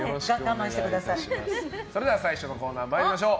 それでは最初のコーナー参りましょう。